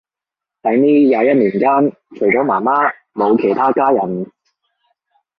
喺呢廿一年間，除咗媽媽冇其他家人